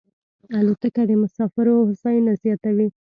الوتکه د مسافرو هوساینه زیاتوي.